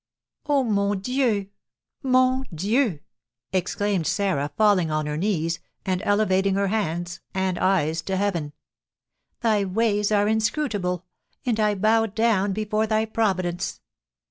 "Oh, mon Dieu! mon Dieu!" exclaimed Sarah, falling on her knees, and elevating her hands and eyes to heaven, "Thy ways are inscrutable, and I bow down before thy providence!